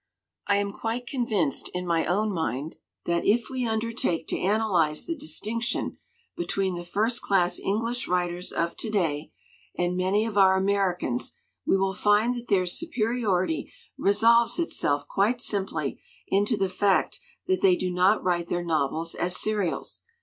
"I am quite convinced in my own mind that if we undertake to analyze the distinction between the first class English writers of to day and many of our Americans, we will find that their superiority resolves itself quite simply into the fact that they do not write their novels as serials.